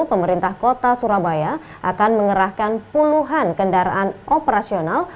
pemerintah kota surabaya akan mengerahkan puluhan kendaraan operasional